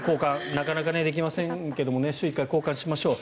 なかなかできませんが週に１回交換しましょう。